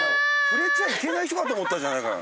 触れちゃいけない人かと思ったじゃないか。